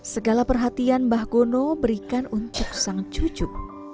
segala perhatian mbah gono berikan untuk sang cucu